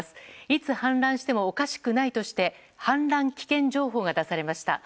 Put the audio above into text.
いつ氾濫してもおかしくないとして氾濫危険情報が出されました。